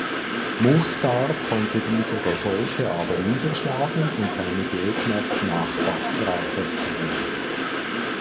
Muchtar konnte diese Revolte aber niederschlagen und seine Gegner nach Basra vertreiben.